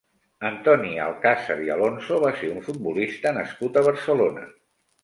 Antoni Alcázar i Alonso va ser un futbolista nascut a Barcelona.